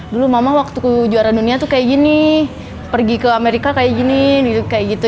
dulu mama waktuku juara dunia tuh kayak gini pergi ke amerika kayak gini gitu kayak gitu